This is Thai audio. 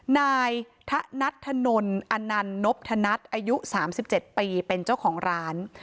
นายถนัดถนนอนัลนบถนัดอายุ๓๗ปีเป็นเจ้าของร้าน